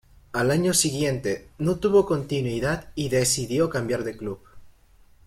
Al año siguiente, no tuvo continuidad y decidió cambiar de club.